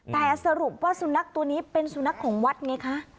แต่สรุปว่าสุนัขตัวนี้เป็นสุนัขของวัดไงคะ